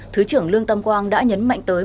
thứ trưởng lương tâm quang đã nhấn mạnh tới